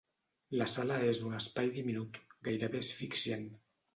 La sala és un espai diminut, gairebé asfixiant.